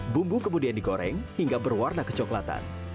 bumbu kemudian digoreng hingga berwarna kecoklatan